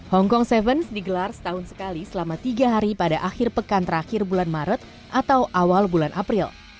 hongkong tujuh digelar setahun sekali selama tiga hari pada akhir pekan terakhir bulan maret atau awal bulan april